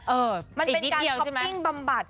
เอออีกนิดเดียวใช่ไหมมันเป็นการช้อปปิ้งบำบัด